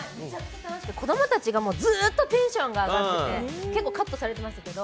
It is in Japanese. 子供たちがずっとテンションが上がってて結構カットされてましたけど。